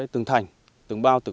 từng thành từng bao từng thành